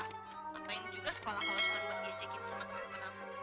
ngapain juga sekolah kalau sempat dia cekin sama teman teman aku